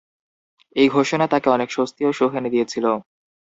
এই ঘোষণা তাকে অনেক স্বস্তি ও সুখ এনে দিয়েছিল।